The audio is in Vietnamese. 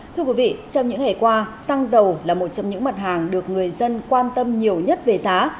thưa quý vị trong những ngày qua xăng dầu là một trong những mặt hàng được người dân quan tâm nhiều nhất về giá